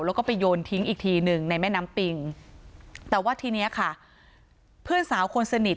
แล้วก็ไปโยนทิ้งอีกทีหนึ่งในแม่น้ำปิงแต่ว่าทีเนี้ยค่ะเพื่อนสาวคนสนิท